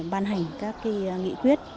ban hành các cây trẻ